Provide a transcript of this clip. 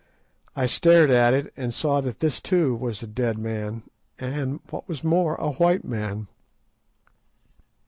I stared at it, and saw that this too was a dead man, and, what was more, a white man.